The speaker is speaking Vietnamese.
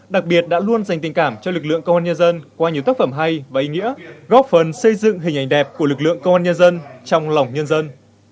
đặc biệt đã luôn dành tình cảm cho lực lượng công an nhân dân qua nhiều tác phẩm hay và ý nghĩa góp phần xây dựng hình ảnh đẹp của lực lượng công an nhân dân trong lòng nhân dân